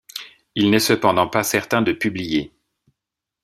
Il n'est cependant pas certain de publier '.